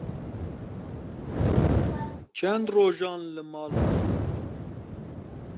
çend rojan li mal mam.